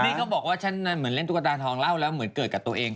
นี่เขาบอกว่าฉันเหมือนเล่นตุ๊กตาทองเล่าแล้วเหมือนเกิดกับตัวเอง